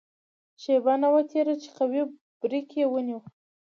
شېبه نه وه تېره چې قوي بریک یې ونیو.